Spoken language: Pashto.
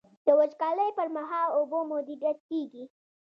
د وچکالۍ پر مهال اوبه مدیریت کیږي.